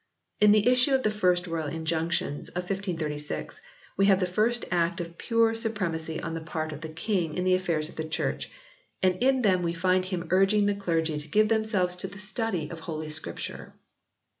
In the issue of the First Royal Injunctions of 1536 we have the first act of pure supremacy on the part of the King in the affairs of the Church, and in them we find him urging the clergy to give themselves to the study of Holy Scripture.